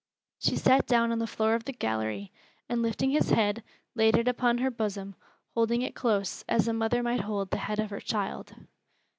She sat down upon the floor of the gallery, and lifting his head, laid it upon her bosom, holding it close, as a mother might hold the head of her child.